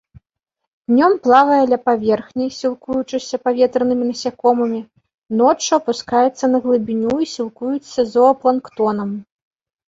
Днём плавае ля паверхні, сілкуючыся паветранымі насякомымі, ноччу апускаецца на глыбіню і сілкуецца зоапланктонам.